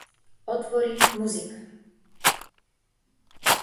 Отвори Музика.